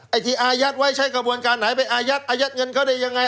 ไอ้ที่อายัดไว้ใช้กระบวนการไหนไปอายัดอายัดเงินเขาได้ยังไง